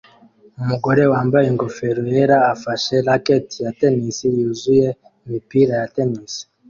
Umugore wambaye ingofero yera afashe racket ya tennis yuzuye imipira ya tennis